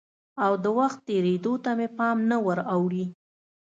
او د وخت تېرېدو ته مې پام نه وراوړي؟